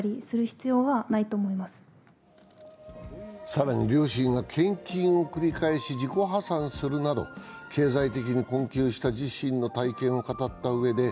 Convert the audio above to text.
更に両親が献金を繰り返し自己破産するなど経済的に困窮した自身の体験を語ったうえで